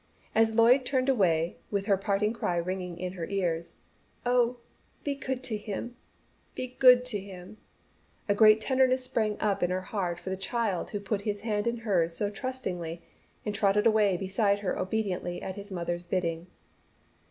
As Lloyd turned away with her parting cry ringing in her ears, "Oh, be good to him! Be good to him!" a great tenderness sprang up in her heart for the child who put his hand in hers so trustingly, and trotted away beside her obediently at his mother's bidding.